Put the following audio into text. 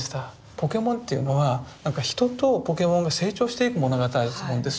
ポケモンっていうのは人とポケモンが成長していく物語ですよ。